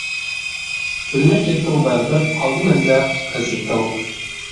بىلمەي كەتتىڭ بەرىبىر، قالدى مەندە ھەسرىتىڭ.